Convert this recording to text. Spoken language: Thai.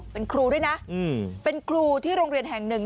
เป็นครูด้วยนะเป็นครูที่โรงเรียนแห่งหนึ่ง